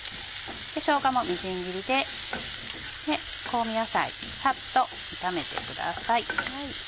しょうがもみじん切りで香味野菜サッと炒めてください。